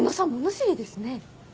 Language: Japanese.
物知りですね。